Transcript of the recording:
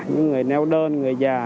những người neo đơn người già